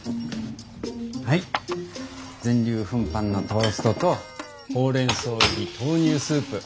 はい全粒粉パンのトーストとほうれんそう入り豆乳スープ。